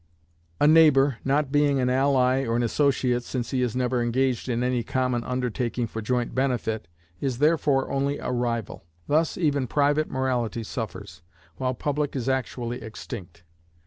A neighbor, not being an ally or an associate, since he is never engaged in any common undertaking for joint benefit, is therefore only a rival. Thus even private morality suffers, while public is actually extinct.